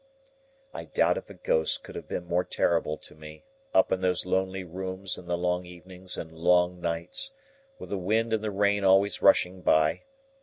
I doubt if a ghost could have been more terrible to me, up in those lonely rooms in the long evenings and long nights, with the wind and the rain always rushing by.